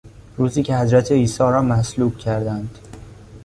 روزی که حضرت عیسی را مصلوب کردند